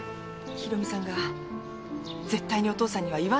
博美さんが絶対にお父さんには言わないでくれって。